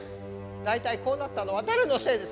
大体こうなったのは誰のせいです。